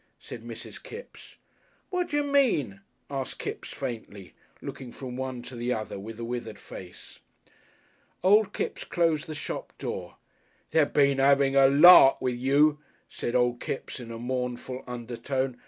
said Mrs. Kipps. "Wadjer mean?" asked Kipps faintly, looking from one to the other with a withered face. Old Kipps closed the shop door. "They been 'avin' a lark with you," said Old Kipps in a mournful undertone.